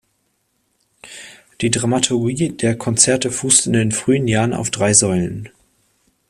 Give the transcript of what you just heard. Die Dramaturgie der Konzerte fußte in den frühen Jahren auf drei Säulen.